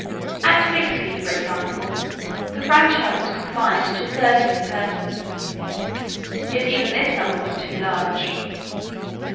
At Tewkesbury, for example, the franchise was confined to thirteen persons. Yet even this number was too large.